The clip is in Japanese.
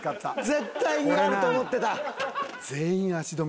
絶対にあると思ってた。